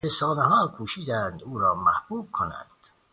رسانهها کوشیدند او را محبوب کنند.